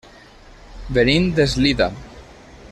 Venim d'Eslida.